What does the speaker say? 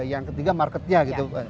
yang ketiga marketnya gitu